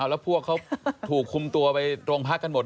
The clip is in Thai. แล้วพวกเขาถูกคุมตัวไปโรงพักกันหมด